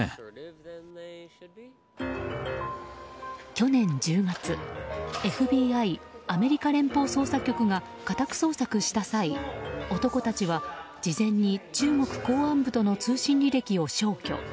去年１０月ＦＢＩ・アメリカ連邦捜査局が家宅捜索した際男たちは事前に中国公安部との通信履歴を消去。